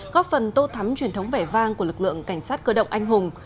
góp phần tô thắm truyền thống vẻ vang của lực lượng cảnh sát cơ động anh hùng